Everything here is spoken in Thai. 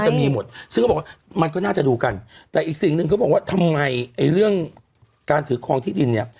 จะมีหมดซึ่งเขาบอกว่ามันก็น่าจะดูกันแต่อีกสิ่งหนึ่งเขาบอกว่าทำไมไอ้เรื่องการถือครองที่ดินเนี่ย